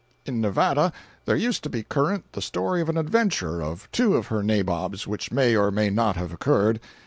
In Nevada there used to be current the story of an adventure of two of her nabobs, which may or may not have occurred.